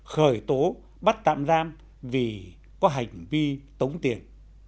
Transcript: khởi tố bắt tạm giam vì có hành vi tống tiền